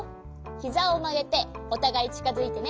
ひざをまげておたがいちかづいてね。